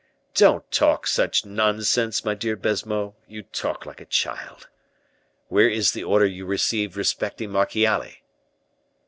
"Don't talk such nonsense, my dear Baisemeaux; you talk like a child! Where is the order you received respecting Marchiali?"